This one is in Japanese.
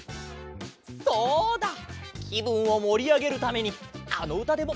そうだきぶんをもりあげるためにあのうたでもうたおっか！